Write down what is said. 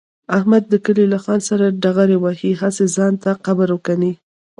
احمد د کلي له خان سره ډغره وهي، هسې ځان ته قبر کني.